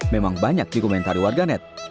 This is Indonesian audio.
memang banyak di komentari warganet